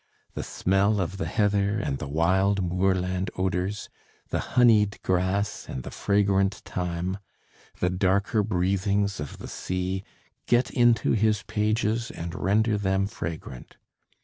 The smell of the heather and the wild moorland odors, the honeyed grass and the fragrant thyme, the darker breathings of the sea, get into his pages and render them fragrant.